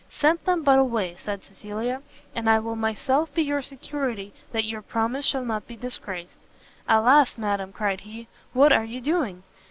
"Send them but away," said Cecilia, "and I will myself be your security that your promise shall not be disgraced." "Alas, madam," cried he, "what are you doing?